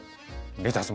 レタスも？